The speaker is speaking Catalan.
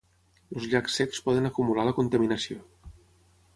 Els llacs secs poden acumular la contaminació.